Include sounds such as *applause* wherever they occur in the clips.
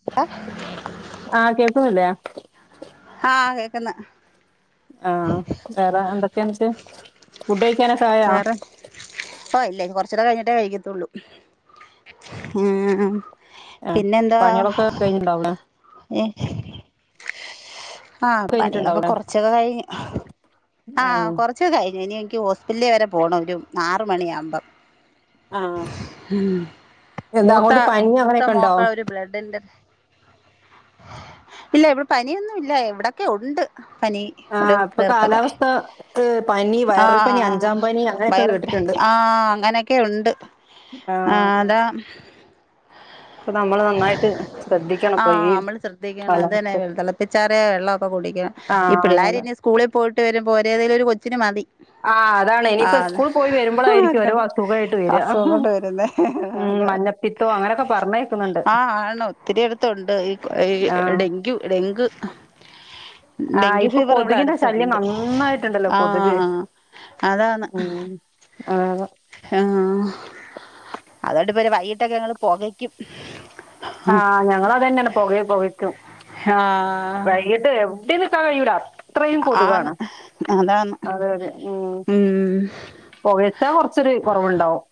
*unintelligible* ആഹ് കേൾക്കുന്നുണ്ട് ആഹ് കേക്കുന്ന് ആഹ് വേറെ എന്തൊക്കെ ന്നിട്ട് ഫുഡ് കയിക്കാനൊക്കെ ആയോ ആ ഇല്ല കൊർചേരം കഴിഞ്ഞിട്ടേ കഴിക്കത്തള്ളൂ ഉ ആഹ് പിന്നെന്താ പണികളൊക്കെ കഴിഞ്ഞിണ്ടാവൂലേ ആഹ് പണികളൊക്കെ കഴിഞ്ഞിട്ടുണ്ടാവൂലേ കൊറച്ചൊക്കെ കഴിഞ്ഞു ആഹ് കൊറ ച കഴിഞ്ഞഞ് ഇനി എനിക്ക് ഹോസ്പിറ്റല വരെ പോണം ഒരു ആറ് മണിയ ആകുമ്പോം ആഹ് എന്താ മൂത്ത അങ്ങോട്ട് പനി മൂത്ത അങ്ങനെയൊക്കെ ഉണ്ടോ മോക്ക ഒരു ബ്ലഡിന്റെ ഇല്ല ഇവിടെ പനിയൊന്നും ഇല്ല എവിടൊക്കെ ഉണ്ട് പനി ഒരു ആഹ് ഇപ്പൊ തീർക്കൊക്കെ കാലാവസ്ഥ ഏഹ് പനി ആ വൈറൽ പനി അഞ്ചാം പനി അങ്ങനെയൊക്കെ വൈറൽ പനി കേട്ടിട്ടുണ്ട് ആ അങ്ങനെ ഒക്കെ ഉണ്ട് ആഹ് അതാ ഇപ്പൊ നമ്മൾ നന്നായിട്ട് ശ്രദ്ധിക്കണംപ്പോ ഈ കാലാവസ്ഥ ചേറിയ വെള്ളമൊക്കെ കുടിക്കണ ഈ ആഹ് അതെ പിള്ളേരി അതെ ഇനി സ്കൂളിൽ പോയിട്ട് വരുമ്പ പോരേതെങ്കലും ഒരു കൊച്ചിന് മതി ആഹ് അതാണ് ആ ഇനിയിപ്പോ അത് സ്കൂൾ പോയി വരുമ്പോഴായിരിക്കും ഓരോ അതണ്ട് അസുഖായിട്ട് വരിക അസുഖന്നോട്ട് വരുന്നോ ഉം അതാ മഞ്ഞപ്പിത്തോ അങ്ങനൊക്കെ പറഞ്ഞേക്കുന്നുണ്ട് ആ ആണ് ഒത്തിരി അടത്തുണ്ട് ഈ ഈ ആഹ് ഡെങ്കി ഡെങ്ക് ആഹ് ഡെങ്കി ഇപ്പൊ ഫീവർ ഇവിടെ കൊതുകിന്റെ ശല്യം അടുത്തുണ്ട് നന്നായിട്ടുണ്ടല്ലോ കൊതുക് ആഹ് അതാണ് ഉം ആഹ് ആ അതുകൊണ്ട് ഇപ്പര് വൈകിട്ടൊക്കെ ഞങ്ങള് പോക ക്യും ആഹ് ഞങ്ങള് അതന്നെണ് പെകയ് പൊകക്കു ആഹ് വൈകിട്ട് എവിടെ നിക്കാൻ കഴിയൂല അത്രയും ആന്ന് കൊതുകാണ് അതാണ് അതെ അതെ ഉ ഉം പോകീച്ച കൊറച്ചൊരു കൊറവുണ്ടാവും.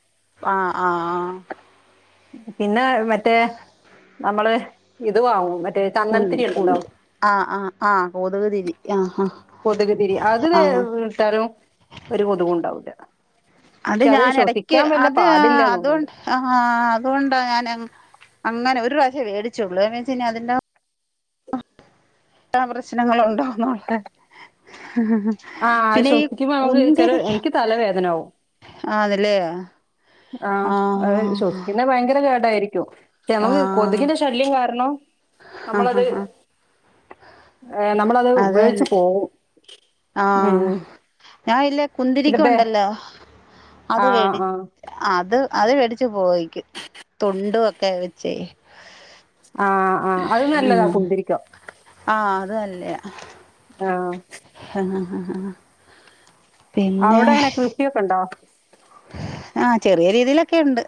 ആഹ് ആഹ് ആഹ പിന്നെ മറ്റേ നമ്മള് ഇതവാങ്ങും മ കുന്തി കുന്ത് ആ ആ ആഹ് കോതുക്തിരി ആ ആ കൊതുക് തിരി അത് തരം ഇട്ടാലും ഒരുകൊതുക് ഉണ്ടാകൂല്ല. അത് ഞാൻ എടയ്ക്ക് അത് തോന്നുന്നുണ്ട് അതുകൊണ്ട് ആഹ് അതുകൊണ്ടാ ഞാൻ അങ്ങനെ ഒരു പ്രവശ്യ വേടിച്ചള്ളു വെച്ച അതിന്റെ അ ട്ട പ്രശ്നങ്ങള ഉണ്ടോന്നള്ള ആഹ് ആ ശ്വസിക്കുമ്പോ നമക്ക് ചെലഎനിക്ക് തലവേദന ആകു ആഹ് അതല്ലേ ആഹ് അത് ശ്വസിക്കുന്ന ഭയങ്കര കേടായിരിക്കും നമക്ക് ആഹ് കൊതുകിന്റെ ശല്യം കാരണം ആഹ് നമ്മളത് ആഹ് ഏനമ്മളത് ഉപയോകിച്ച് അതന്നെ പോവും ആഹ് ഞാന ഇല്ലേ പിന്നെ കുന്തിരിക്ക ബേ ഉണ്ടല്ലോ അത് ആഹ് വേടി ആഹ് അത് അത് മേടിച്ചു പോയിക്ക് തുണ്ടും ഒക്കെ വച്ചേ ആ ആഹ് അത് നല്ലത കുന്തിരിക്കം ആഹ് അത്‌നല്ലേ ആഹ്. ഹാ ഹാ ഹാ ഹ. അവ്ടെ ങ്ങനെ കൃഷിഒക്കെ ണ്ടോ? ആഹ ചെറിയ രീതിലൊക്കിണ്ട്.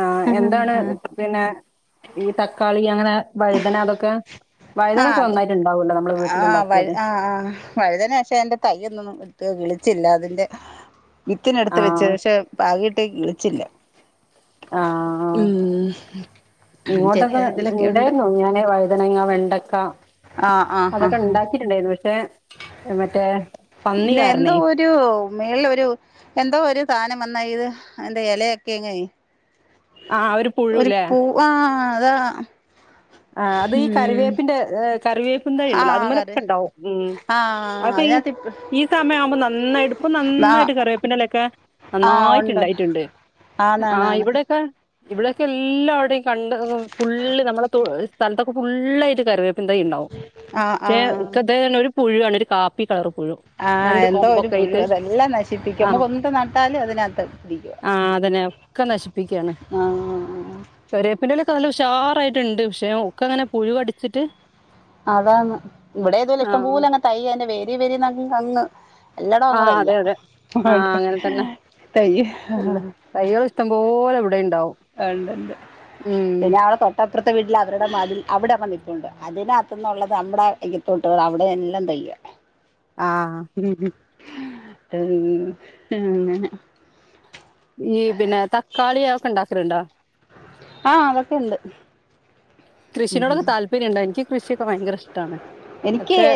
ആഹ് എന്താണ് പിന്നെ ഈ തക്കാളി അങ്ങനെ വഴുതന അതൊക്കെ ഹാ വഴുതനൊക്കെ ത് നന്നായിട്ട് ഉണ്ടാവൂല്ലോ നമ്മള് ആ വഴ വീട്ടിലുണ്ടാക്കിയാല് ആ ആഹ് വഴുതന എൻ്റെ തയ്യൊന്നൊന്നും ത് വിളിച്ചില്ല അതിൻ്റെ വിത്തിനെടുത്ത് വെച്ച് ആഹ് ഷെ പാകീട്ടീ ക്കിളിച്ചില്ല ഉം ചെറിയ രീതിയിലൊക്കെ ഉണ്ട് ഇങ്ങോട്ടെക്കെണ്ടേയ്ര്ന്നു ഞാന് വൈതനങ്ങ വെണ്ടക്ക ആഹ് ആഹ് അതൊക്കെ ആഹ് ണ്ടാക്കിട്ട്ണ്ടെയ്രുന്നു പക്ഷെ മറ്റേ പന്നി ഇല്ല എന്തോ കാരണേയ് ഒരു മേൾള്ളൊരു - എന്തോ ഒരു സാനം വന്നാ ഇത് അയ്ന്റെ എലയൊക്കെ അങ്ങെയ് ആ ആഹ് ഒരു പുഴുലെ? വാ അതാ ആ അതീ ഉം കറിവേപ്പിന്റെ കറിവേപ്പും തൈ ആ ണ്ടല്ലോ അത് കറി മ്മലെക്കെണ്ടാവും ഉം. ആ അപ്പൊ ഈ അതിനകത്ത് ഇപ്പ ഈ സമയം ആവുമ്പോ നന്നായിട്ട് പ്പൊ ആ നന്നായിട്ട് കറിവേ പ്പി ന്റെലയൊക്കെ ആ ഉണ്ട് നന്നായിറ്റ്ണ്ടായിട്ട്ണ്ട് ആഹ് ആന്നാന്നാന്ന് ഇവിടൊക്കെ ഇവിടെക്കെ എല്ലാ അവിടേം കണ്ട ഫുള്ള് നമ്മളെ തോ സ്ഥലത്തൊക്കെ ഫുുള്ളായിട്ട് കറിവേ പിന്തെയ്യ്ണ്ടാവും. ആ ആ ക്ഷെക്കെതന്നെ ഒരു പുഴു ആണ് ഒര് കാപ്പി കളറ് പുഴു. ആഹ് രണ്ട് എന്തോ ഒരു കൊമ്പൊക്കെ പുഴു. ആയിട്ട് അതെല്ലാം നശിപ്പിക്കും. മ്മക്കെന്ത്‌ നട്ടാലും അതിനാത്ത് പിടിക്കുവ. ആഹ് അതന്നെ ക്കെ നശിപ്പിക്കാണ്. ആ ആ ആ അഹ് കര്യേപ്പിന്റെലക്കെ നല്ല ഉഷാറായിട്ട്ണ്ട്. പക്ഷേ ഒക്കെങ്ങനെ പുഴു കടിച്ചിട്ട് അതാന്ന്, ഇവിടെ അതുപോലെ ഇഷ്ടം ആ പോലെ അങ്ങ് തയ്യന്റെ വേരി വെരിന്നങ് തങ്ങ് എല്ലടോ അങ്ങ് ആഹ് തയ്യ അതെ അതെ ആഹ് വടെ അങ്ങനെ തന്നെ തയ്യ. എല്ല തൈകൾ ഇഷ്ടം പോലെ ഇവിടെയും ണ്ടാവും അ ണ്ട്ണ്ട് പിന്നെ അവ്ടെ അപ്രത്തെ വീട്ട്ലെ അവരുടെ മതിൽ അവിടെ വന്നിപ്പുണ്ട് അതിനകത്തു ന്നുള്ളത് നമ്മടെ ഇയ്യത്തോട്ട് അവിടെയെ ല്ലാം തയ്യ. *inaudible* ആഹ്.. ഒര് എന്ത അങ്ങനെ. ഈ പിന്നെ തക്കാളി ആതൊക്കെ ണ്ടാക്കല്ണ്ടോ? ആഹ് അതൊക്കെ ഉണ്ട്. കൃഷിനോടൊക്കെ താല്പര്യണ്ട്. ഇൻക്ക് കൃഷിക്കെ ഭയങ്കര ഇഷ്ട്ടാണ് പക്ഷെ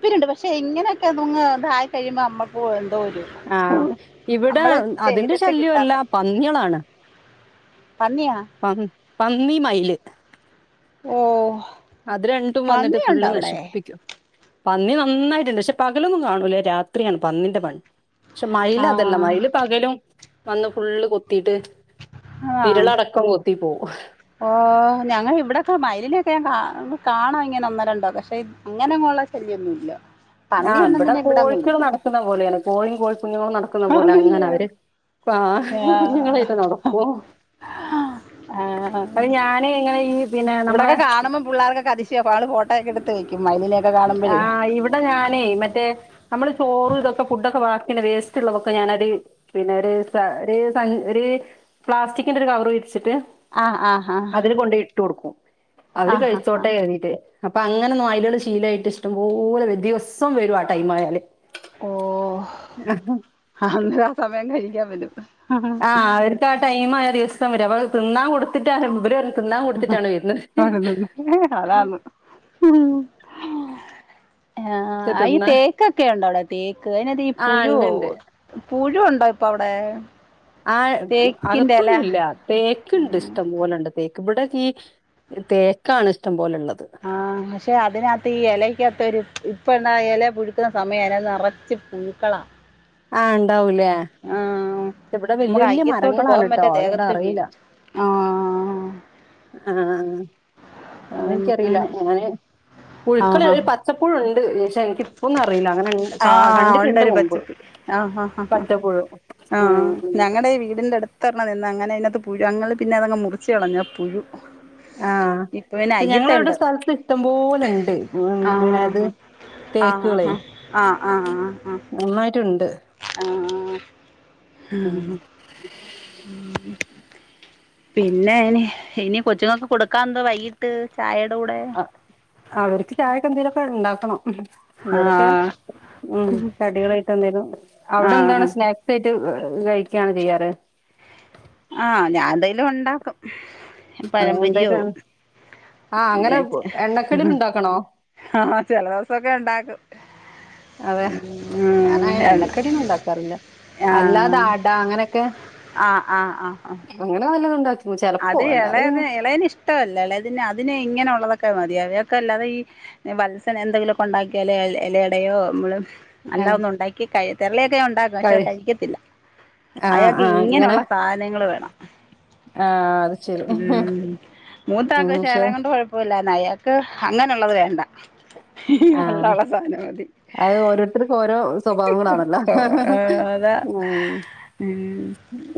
ല്പര്യണ്ട്. പഷെ ഇങ്ങനൊക്കെ നുങ് ഇതായി കഴിയുമ്പോ അമ്മക്കു എന്തോ ഒരു ആഹ് ഇവിടെ നമ്മള് അതിന്റെ ചെയ്തിട്ട് ശല്യവല്ല, കിട്ടാത്ത പന്നികളാണ്. പന്നിയാ.? പ പന്നി മൈല്. ഓഹ്. അത് രണ്ടും വന്നിട്ട് ഫുള്ള് നശിപ്പിക്കും. പന്നി നന്നായിട്ട്ണ്ട്. പക്ഷെ പകലൊന്നും കാണൂലേ രാത്രിആണ് പന്നിന്റെ പണി. ക്ഷേ മൈല് അതല്ല ആഹ് മൈല് പകലും വന്ന് ഫുള്ള് കൊത്തിട്ട് വിരളടക്കം കൊത്തി പോവും ഓ ഞങ്ങളിവിടെക്കെ മയിലിനൊക്കെ ഞാ കാ കാണാ ഇങ്ങനെ ഒന്നേരണ്ടോ പഷെ ഇങ്ങനെങ്ങോള്ള ശല്ല്യോന്നുല്ല. ആഹ് ഇവടെ കോഴിക്കൾ നടക്കുന്ന പോലാണ് കോഴിയും കോഴി കുഞ്ഞുങ്ങളും നട ക്ക്ന്ന പോലങ്ങന ആന്നല്ലിയോ അവര് ആ ആഹ് കുഞ്ഞുങ്ങളായിട്ട് നടക്കും ആഹ് അത് ഞാന് ഇങ്ങനെ ഈ പിന്നെ നമ്മളെ പുള്ളാർക്കൊക്കതിശയാ പാള് ഫോട്ടോക്കെ എടുത്ത് വെക്കും. മൈലിനെയൊക്കെ കാണുമ്പഴേ ഇടെ ഞാനേ മറ്റേ നമ്മള് ചോറും ഇതൊക്കെ ഫുഡൊക്കെ വാക്കിള്ള വേസ്റ്റ്ള്ളതൊക്കെ ഞാനൊര് പിന്നെ ഒരു സ ഒരു സ ഒരു പ്ലാസ്റ്റിക്കിന്റെ ഒരു കവറ് വിരിച്ചിട്ട് ആഹ് ആഹ് ആഹ് അതില് കൊണ്ടയ് ഇട്ട് കൊടുക്കും. അവര് ആഹ് ആഹ് കഴിച്ചോട്ടെ ആഹ് കര്തിട്ട് അപ്പൊ അങ്ങനെ നായിലുകള് ശീലായിട്ട് ഇഷ്ടംപോലെ ദിവസം വരും ആ ടൈ ആയാല് ഓ അഹന്താ ആ സമയം കഴിക്കാൻ വരൂം. ആഹ് അവർക്ക് ആ ടൈം ആ ദിവസം വരും അവ തിന്നാൻ കൊടുത്തിട്ട് ആ ഇവര് തിന്നാൻ കൊടുത്തിട്ടാണ് വരുന്നത് അവിടെന്ന ആതാണ് പക്ഷെ ആഹ ഈ തിന്നാ തേക്കൊക്കെയ ഉണ്ടോ അവിടെ തേക്ക് അതിനകത്ത് ഈ ആഹ് പുഴുവോ ഇണ്ട് ഇണ്ട് പുഴുണ്ടോ ഇപ്പൊ അവിടെ? ആ തേക്കിന്റെ ഇല അകത്തൊന്നുല്ല തേക്ക് ഇണ്ട് ഇഷ്ടംപോലെുണ്ട് തേക്ക് ഇവിടെ തേക്കാണ് ഇഷ്ടംപോലുള്ളത്. ആ പക്ഷേ അതിനകത്ത് ഈ എലയ്ക്കകത്ത് ഒരു ഇപ്പം ന്നാ എല പുഴുക്കുന്ന സമയം അതിനത് നിറച്ച് പുഴുക്കളാ. ആഹ ഉണ്ടാവൂലേ ആ നമുക്ക് അയ്ക്കത്തോട്ട് പോവാൻ മരങ്ങളാണ് ട്ടോ പറ്റാ അതുകൊണ്ട് ദേഹത്ത് അറിയില്ല വീഴും. ആ ആഹ അതെനിക്കറിയില്ല അങ്ങനെ ഞാന് ആ പുഴുക്കൾ ആ ഒരു പത്ത് പച്ചപ്പുഴുണ്ട് ക്ഷേ ഇന്ക്കി ഇപ്പോന്നും അറിയില്ല അങ്ങനെ കാ ആഹ കണ്ടിട്ടുണ്ട് ഉണ്ടൊരു മുമ്പ് പച്ചപ്പി ആഹ ആ പച്ചപ്പുഴു ആ ഉം ഉം ഞങ്ങടെ ഈ വീടിന്റെ അടുത്ത് ഉത്തരണ നിന്ന് അങ്ങനെ അതിനകത്ത് പുഴു, അങ്ങൾ പിന്നെ അതങ്ങ് മുറിച്ച് കളഞ്ഞാൽ പുഴു. ആഹ ഇപ്പൊ പിന്നെ ഇപ്പ ഞങ്ങളവിടെ അയ്യത്തുണ്ട് സ്ഥലത്ത് ഇഷ്ടം പോലെുണ്ട്. പിന്നത് ആഹ ആ ആ ആഹ് ആഹ ആ ആ മൂന്നായിട്ടുണ്ട് ആ ഉം പിന്നെ ഇനി ഇനി കൊച്ചുങ്ങൾക്ക് കൊടുക്കാ എന്തോ വൈകിട്ട് ചായ അവർക്ക് ചായക്കന്തലൊക്കെ ഉണ്ടാക്കണം. എന്തലൊക്കെ ആഹ് ഉ കടികളായിട്ട് എന്തേലും. അവിടെ എന്താണ് ആഹ് സ്നാക്സ്? സ്നാക്സ് ആയിട്ട് കഴിക്കാണോ ചെയ്യാറ്? ആഹ ഞാൻന്തെലും ഉണ്ടാക്കും. ആ, പഴംപൊരിയോ എന്തായിട്ട് ആഹ് അങ്ങനെ എണ്ണക്കടികൾ ഉണ്ടാക്കണോ ആഹ ചില ദിവസൊക്കെ ഇണ്ടാക്കും. അതെ ഞാന അങ്ങനെ ആഹ് എണ്ണക്കടീന്ന ഉണ്ടാക്കാറില്ല. അല്ലാതെ ആഹ് അടാ അങ്ങനെക്കെ ആഹ് ആഹ് ആഹ് ആഹ അങ്ങനെ വല്ലതുണ്ടാക്ക അത് ഇളയ ഇളയന് ഇഷ്ടമല്ല ഇളയതിന് അതിന് ഇങ്ങനെുള്ളതൊക്കെ മതി അവൊക്കെ അല്ലാതെ ഈ വത്സം എന്തെങ്കിലുമൊക്കെ ഉണ്ടാക്കിയാലേ ഇലടയോ നമ്മള് അല്ല ഏഹ് ഒന്നും ഉണ്ടാക്കി തെരളിയൊക്കെ ഞാന് ഉണ്ടാക്ക പക്ഷെ കഴി കഴിക്കത്തില്ല ആഹ് അയാൾക്ക് ആഹ് ഇങ്ങനെയുള്ള സാധനങ്ങൾ വേണം. ആഹ അത് ശരി ഉം മൂത്താക്ക് ഉം പക്ഷേ പക്ഷെ എളയകൊണ്ട് കൊഴപ്പ അപ്പോല്ല അയാക്ക് അങ്ങനെയുള്ളത് വേണ്ട. ആഹ് *unintelligible* സാനംമതി അത് ഓരോരുത്തർക്ക് ഓരോ സ്വഭാവങ്ങളാണല്ലോ ഓ അതാ ഉ ഉം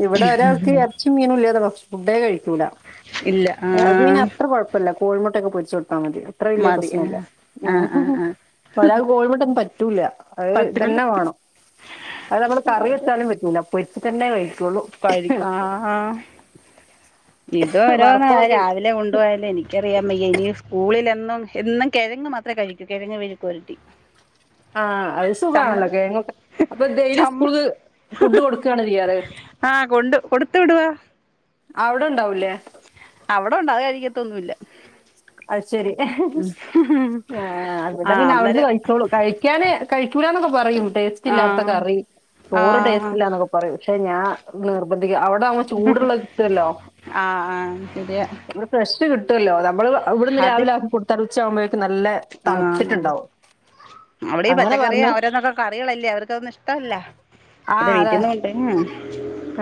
ഇവിടെ ഒരാൾക്ക് എറച്ചി മീനും ഇല്ലതോ പക്ഷ ഫുഡേ കഴി ക്കൂല ഇല്ല ആ അയാക്ക്പിന്നെ ആത്രേയ കുഴപ്പം ഇല്ലാ. പ്പല്ല കോഴിമുട്ടൊക്കെ പൊരിച്ച കൊടുത്താൽ മതി അത്ര വലിയ മതി ആ പ്രശ്നല്ല. ആ ആ ആ ഒരാ കോഴിമുട്ടൊ ഒന്നും പറ്റൂല. അത് പറ്റുള്ളൂ ഇതന്നെ വേണം അത് നമ്മള് കറി വെച്ചാലും പറ്റില്ല. പൊരിച്ച് തന്നെ കഴിക്കുള്ളു. കഴി ഇത് ഓരോന്ന രാവിലെ കൊണ്ടു പോയല്ലേ എനിക്ക് കേറിയമ്മയ്യ ഇനി സ്കൂളിൽ എന്നും എന്നും കെഴങ്ങ് മാത്രേ കഴിക്കൂ കെഴങ്ങ് മെഴുക്കുപുരട്ടി. ആഹ് അസ് സുഖാണല്ലോ *unintelligible* അപ്പൊ ഡെയിലി ചമ്മ സ്കൂള്ക്ക് ഫുഡ് കൊടുക്കാണോ ചെയ്യാറ് ആഹ് കൊണ്ട് കൊടുത്തു വിടുവാ അവിടെണ്ടാവൂലേ അവിടൊണ്ട് അത് കഴിക്കത്തൊന്നുല്ലാ അത് ശരി ആഹ് ആ ഇവടെ പിന്നെ ഔട്ന്ന് അന്നേരം കഴിച്ചോളും. കഴിക്കാന് കഴിക്കൂലന്നൊക്കെ പറയും ടേസ്റ്റ് ആ ഇല്ലാത്ത കറി. ആ ചോറ് ടേസ്റ്റ് ഇല്ലാന്നൊക്കെ പറയും പഷെ ഞാ നിർബന്ധിക്കും ഔടെവൂമ്പോ ചൂട്ള്ളെ കിട്ടുവെല്ലോ. ആഹ് ആഹ് ശരിയാ ഫ്രഷ് കിട്ടുവല്ലോ നമ്മള് ഇവ്ടുന്ന് അത് രാവിലെ ആക്കി കൊടുത്താല് ഉച്ച ആവുമ്പഴേക്ക് നല്ലെ തണ്ത്തിട്ട്ണ്ടാവും. അവടെ ഈ പച്ചക്കറി ഓരോന്നൊക്കെ കറികളല്ലേ അവർക്കതൊന്നും ഇഷ്ട്ടവല്ലാ. ആ അവരെ അതെ വീട്ടീന്ന് കൊണ്ടുവെര്ന്നാ ആഹ്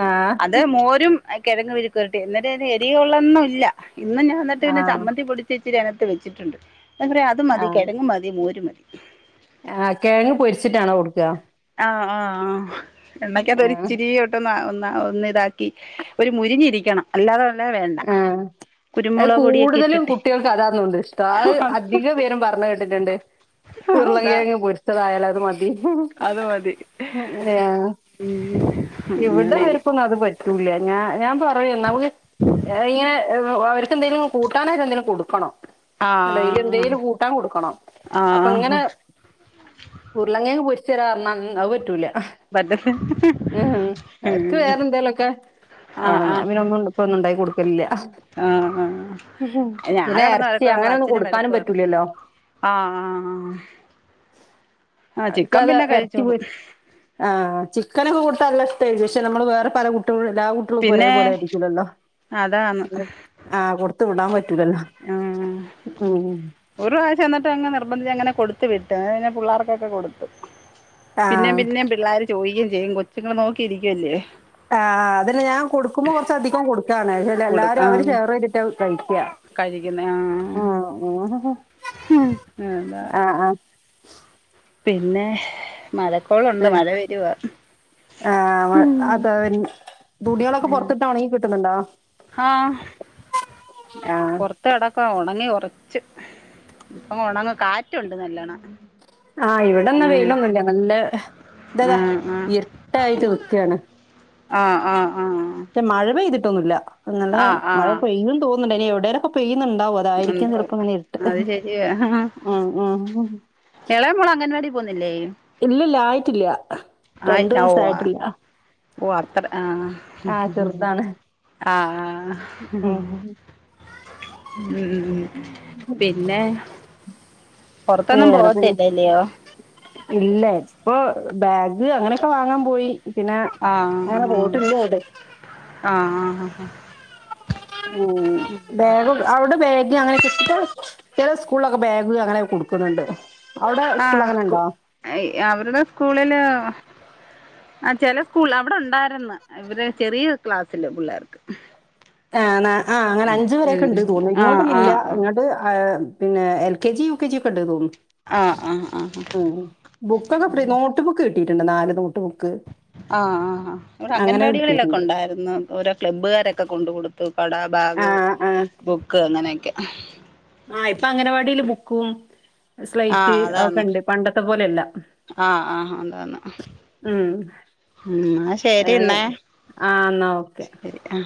ആ അത് മോരും ആഹ് കെഴങ്ങ് മെഴുക്ക് പൊരട്ടി *unintelligible* അയ്‌ന് എരിവുള്ളൊന്നുല്ലാ ഇന്ന് ഞാൻ ഇന്നിട്ട് ആ പിന്നെ ചമ്മന്തി പൊടി ച്ച്ച്ചിരി അകത്ത് വെച്ചിട്ടുണ്ട് ഞാ പറയാ അത് മതി കെഴങ്ങ് മതി മോര് മതി. ആഹ് കെഴങ്ങ് പൊരിച്ചിട്ടാണോ കൊട്ക്കാ? ആഹ് ആഹ് ആഹ് എണ്ണക്കാത്ത് ആ ഒരിച്ചിരിയോ ട്ട്ന്നാ ഒന്ന ഒന്ന്താക്കി ഒര് മുരിഞ്ഞിരിക്കണം അല്ലാതൊള്ളെ വേണ്ടാ. ആ അത് കൂടുതലും കുട്ടികൾക്ക് അതാ തോനുന്ന് ഇഷ്ട്ടം അത് അധിക പേരും പറഞ്ഞ് കേട്ടിട്ട്ണ്ട്. ഉരുളം അതാ കെഴങ്ങ് പൊരിച്ചതായാലത് മതി അത് മതി ഏഹ് ഉം അങ്ങനെ *unintelligible* ന്നു അത് പറ്റൂലാ ഞാ ഞാൻ പറയും നമ്മക്ക് ഏഹ് ഇങ്ങനെ ഏഹ് അവർക്കെന്തെങ്കിലും കൂട്ടാനായ്റ്റ് എന്തെലും കൊടുക്കണം? ഡെയിലി ആഹ് എന്തെലും കൂട്ടാൻ കൊടുക്കണം അപ്പൊ ആഹ് ഇങ്ങനെ ഉരുളം കെയങ്ങ് പൊരിച്ച് തെരാർഞ്ഞാ ഉം അത് പറ്റൂലാ. പറ്റത്തില്ല ഏഹ് അവർക്ക് ഉം വേറെ എന്തേലോക്കെ ആഹ് വേണം ഞാൻ ആഹ് പിന്നൊന്നുണ്ട് പ്പൊന്നും ഇണ്ടായി കൊടുക്കലില്ലാ ആഹ് ആഹ് ഞാൻ പിന്നെ കിടന്ന് എർച്ചി വഴക്ക് പറയാറ് അങ്ങനൊന്നും അച്ഛനും കൊടുക്കാനും വഴക്ക് പറയും പറ്റൂലല്ലോ. ആഹ് ആഹ് ആഹ് അവര്ക്ക് ചിക്കൻ അതാ പിന്നെ എർച്ചി കഴിച്ചോളും പൊരി ആഹ് ചിക്കനൊക്കെ കൊട്ത്താന്നല്ല ഇഷ്ട്ടെക്കും പഷെ നമ്മള് വേറെ പല കുട്ട്യളും എല്ലാ കുട്ട്യാളുപ്പൊ ഒരേ പോലെ ആയിരിക്കില്ലല്ലോ. അതാന്ന് ആഹ് കൊടുത്ത് വിടാൻ പറ്റൂലല്ലോ ഉം ഉം ഒരു പ്രാവശം ഇന്ന്ട്ട് അങ്ങ് നിർബന്ധിച്ച് അങ്ങനെ കൊടുത്ത് വിട്ട് അയ്പിന്നെ പുള്ളാർക്കൊക്കെ കൊട്ത്തു. ആ പിന്നേം പിന്നേം പിള്ളാര് ചോയിക്കേം ചെയ്യും കൊച്ചുങ്ങള് നോക്കിയിരിക്കുവല്ലിയോ ആഹ് ആഹ് അതെന്നെ ഞാൻ കൊടുക്കുമ്പോ കൊറച്ചധികം കൊടുക്കാണ് ഷെ ല്ല കൊടു എല്ലാരും അവര് ആഹ് ഷെയറെയ്തിട്ടാ കഴിക്കാ കഴിക്കുന്നെ ആഹ് ആഹ് അതാ പിന്നെ മഴക്കോളൊണ്ട് മഴ വെരുവാ. ആഹ് ആഹ് മഴ അതാൻ തുണികളൊക്കെ ഉം പൊറത്തിട്ടാ ഒണങ്ങി കിട്ടണണ്ടോ? ആഹ് ആഹ് പൊർത് ത്തെടക്കാ ഒണങ്ങി കൊറച്ച് ഇപ്പം ഒണങ്ങു കാറ്റൊണ്ട് നല്ലോണം. ആഹ് ഇവടെന്നാ ഉം വെയിലൊന്നുല്ല ന്ല്ലേ ഇതതാ ഉം ഉം ഇര്ട്ടായിട്ട് നിക്കാണ്. ആഹ് ആഹ് ആഹ് ആഹ് പക്ഷെ മഴ പെയ്തിട്ടൊന്നുല്ലാ ഇന്നലെ മഴ ആഹ് പെയ്യൂന്ന് തോൻന്ണ്ട് എനി എവിടെലൊക്കെ പെയ്യുന്നുണ്ടാവും അത് അതായിരിക്കും ഉണ്ടാവും ചെലപ്പോ ഇങ്ങനെ ഇര്ട്ട് അത് ശരിയാ ഉം ഉം ഉം എളയ മോള് അംഗൻവാടി പോന്നില്ലേ? ഇല്ലല്ല ആയിട്ടില്ല ആയി രണ്ടു *unintelligible* വയസ്സായിട്ടില്ല അത്ര ആഹ് ആ ചെറുതാണ് ആഹ് ഉം ഉം പിന്നെ പൊറത്തൊന്നും വേറെ പിന്നെ പോവത്തില്ലല്ലയോ ഇല്ല ഇപ്പൊ ബെഗ് അങ്ങനെക്കെ വാങ്ങാൻ പോയി പിന്നെ ആഹ് അങ്ങനെ പൊയിട്ടില്ല എവിടെ ആഹ് ഏഹ് ബെഗും ഔടെ ബെഗ് ഇനി അങ്ങനെക്കെ പ്പ് ചെലെ സ്കൂൾ ളോക്കെ ബാഗ് അങ്ങനെക്കെ കൊടുക്ണ് ണ്ട് ആഹ് സ്കു അവരുടെ സ്കൂളില് ആഹ് ചെല സ്കൂള് അവിടെ ഉണ്ടായിര്ന്ന് ഇവരെ ചെറിയ ക്ലാസ്സില് പിള്ളേർക്ക് ആണെ ആഹ് അങ്ങനെ അഞ്ചു വരൊക്കെ ഇണ്ട് തോന്നുണ് ഉം ആഹ് ഇങ്ങോട്ടോന്നൂല്ല ആഹ് ആഹ് ഇങ്ങട്ട് പിന്നെ എൽ കെജി, യുകെജി ഒക്കെ ഇണ്ട് തോന്നു ആഹ് ആഹ് ആഹ് മ്മ് ബുക്കൊക്കെ ഫ്രീ നോട്ട് ബുക്ക് കിട്ടിട്ടുണ്ട് നാല് നോട്ട് ബുക്ക് ആഹ് ആഹ് ഇവടെ അങ്ങനെ അംഗൻവാടികളിലൊക്കെ കിട്ടിയിട്ടുണ്ട് ഉണ്ടായിരുന്നു ഓരോ ക്ലബ്ബുകാരൊക്കെ കൊണ്ട് കൊടുത്തു പട ആ ബാഗ് ആ ബുക്ക് അങ്ങനെക്കെ ആഹ് ഇപ്പ അംഗൻവാടില് ബുക്കും സ്ലൈറ്റ് ആഹ് അതാന്ന് അതൊക്കെണ്ട് പണ്ടത്തെ പോലെ അല്ല ആഹ് ആഹ് അതാന്ന് മ്മ് ഉം ന്നാശെരിന്നെ ആഹ് എന്നാ ഓക്കെ ആഹ്